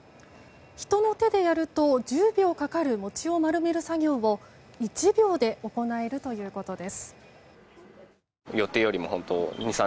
人の手でやると１０秒かかる餅を丸める作業を１秒で行えるということです。